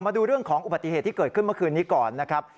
มาดูเรื่องของอุบัติเหตุที่เกิดขึ้นเมื่อคืนนี้ก่อนนะครับ